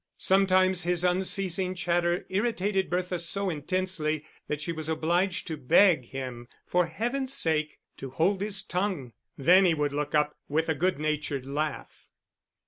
Sometimes his unceasing chatter irritated Bertha so intensely that she was obliged to beg him, for heaven's sake, to hold his tongue. Then he would look up, with a good natured laugh.